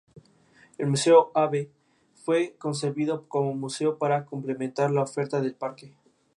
El museo Abbe fue concebido como museo para complementar la oferta del parque.